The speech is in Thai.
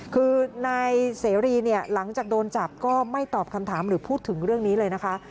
คือนายเสรีเนี่ยหลังจากโดนจับก็ไม่ตอบคำถามหรือพูดถึงเรื่องนี้เลยนะคะ